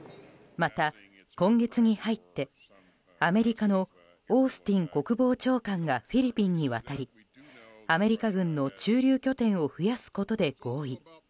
また、今月に入ってアメリカのオースティン国防長官がフィリピンに渡りアメリカ軍の駐留拠点を増やすことで合意。